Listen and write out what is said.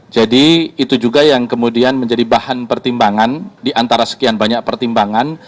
jadi itu juga yang kemudian menjadi bahan pertimbangan diantara sekian banyak pertimbangan